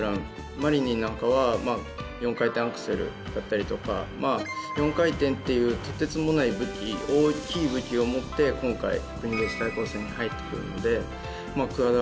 マリニンなんかは４回転アクセルだったりとか４回転っていうとてつもない武器大きい武器を持って今回国別対抗戦に入ってくるのでクアッド